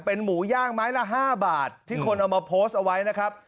เป็นหมูย่างไม้ละ๕บาทที่คนเอามาโพสต์เอาไว้นะครับ